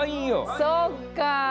そっか。